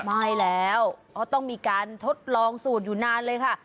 ไม่แล้วเขาต้องมีการทดลองสูตรอยู่นานเลยค่ะ